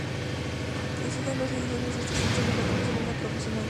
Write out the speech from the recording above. Existen dos ediciones de este sencillo: la comercial y la promocional.